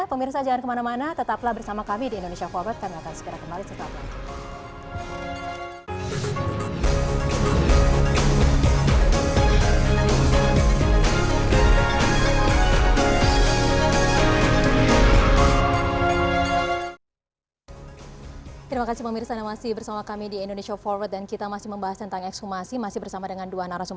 pemirsa jangan kemana mana tetaplah bersama kami di indonesia for business